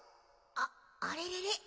ああれれれ？